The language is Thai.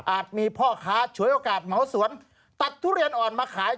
มีพ่อค้าฉวยโอกาสเหมาสวนตัดทุเรียนอ่อนมาขาย